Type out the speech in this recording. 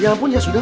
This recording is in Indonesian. ya ampun ya sudah